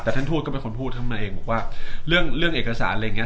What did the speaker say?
แต่ท่านทูตก็เป็นคนพูดท่านมาเองบอกว่าเรื่องเอกสารอะไรอย่างนี้